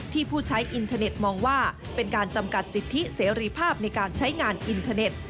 ผู้ใช้อินเทอร์เน็ตมองว่าเป็นการจำกัดสิทธิเสรีภาพในการใช้งานอินเทอร์เน็ต